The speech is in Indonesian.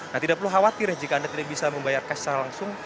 nah tidak perlu khawatir jika anda tidak bisa membayar cash secara langsung